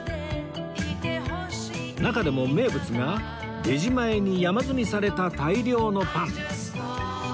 中でも名物がレジ前に山積みされた大量のパン